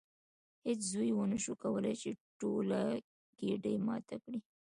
هیڅ زوی ونشو کولی چې ټوله ګېډۍ ماته کړي.